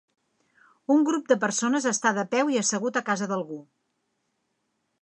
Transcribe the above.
Un grup de persones està de peu i assegut a casa d'algú.